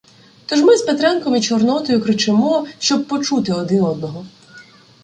Тож ми з Петренком і Чорнотою кричимо, щоб почути один одного.